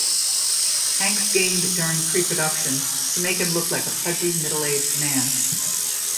Hanks gained during pre-production to make him look like a pudgy, middle-aged man.